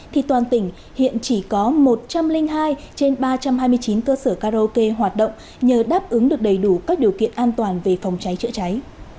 thì toàn tỉnh hiện chỉ có một trăm linh hai trên ba trăm hai mươi chín cơ sở karaoke hoạt động nhờ đáp ứng được đầy đủ các điều kiện an toàn về phòng cháy chữa cháy